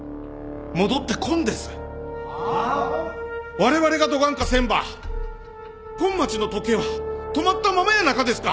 われわれがどがんかせんばこん町の時計は止まったままやなかですか！